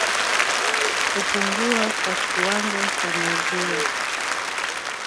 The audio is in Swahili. Kupungua kwa kiwango cha maziwa